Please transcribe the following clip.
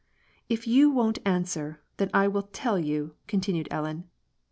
" If you won't answer, then I will tell you," continued Ellen.